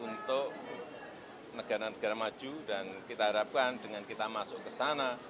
untuk negara negara maju dan kita harapkan dengan kita masuk ke sana